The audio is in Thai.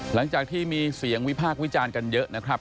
หลังจากที่มีเสียงวิพากษ์วิจารณ์กันเยอะนะครับ